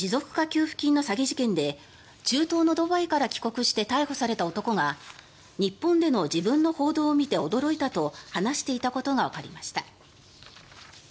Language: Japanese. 給付金の詐欺事件で中東のドバイから帰国して逮捕された男が日本での自分の報道を見て驚いたと話していたことがわかりました。